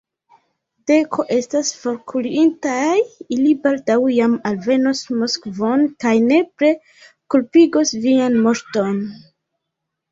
Deko estas forkurintaj, ili baldaŭ jam alvenos Moskvon kaj nepre kulpigos vian moŝton!